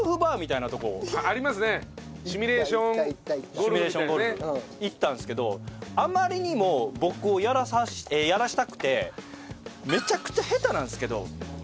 シミュレーションゴルフ行ったんですけどあまりにも僕をやらせたくてめちゃくちゃ下手なんですけど。